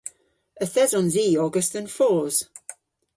Yth esons i ogas dhe'n fos.